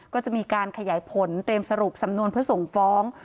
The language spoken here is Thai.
ก็จะมีการขยายผลเตรียมสรุปสำนวนเพื่อส่งฟ้อง